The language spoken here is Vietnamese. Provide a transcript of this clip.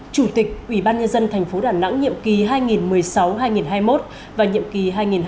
chủ tịch ủy ban nhân dân tp đà nẵng nhiệm kỳ hai nghìn một mươi sáu hai nghìn hai mươi một và nhiệm kỳ hai nghìn hai mươi một hai nghìn hai mươi sáu